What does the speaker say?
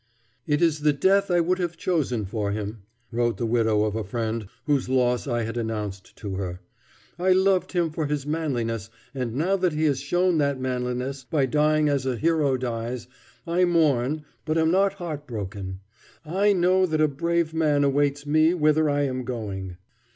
"It is the death I would have chosen for him," wrote the widow of a friend whose loss I had announced to her. "I loved him for his manliness, and now that he has shown that manliness by dying as a hero dies, I mourn, but am not heart broken. I know that a brave man awaits me whither I am going."